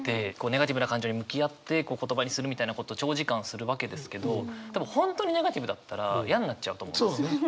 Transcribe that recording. ネガティブな感情に向き合って言葉にするみたいなこと長時間するわけですけど本当にネガティブだったら嫌になっちゃうと思うんですよね。